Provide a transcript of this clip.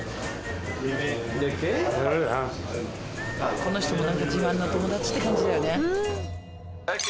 この人も何か自慢の友達って感じだよね。